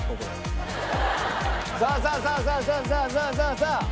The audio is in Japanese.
さあさあさあさあさあさあさあさあさあ！